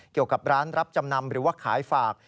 เกี่ยวกับร้านรับจำนำหรือว่าขายฝาก